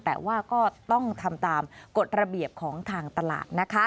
แต่ว่าก็ต้องทำตามกฎระเบียบของทางตลาดนะคะ